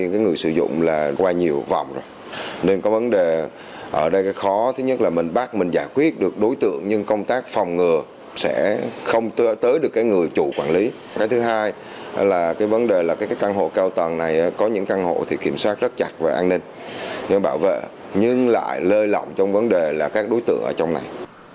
cái vấn đề là các căn hộ cao tầng này có những căn hộ thì kiểm soát rất chặt và an ninh nhưng lại lơi lỏng trong vấn đề là các đối tượng ở trong này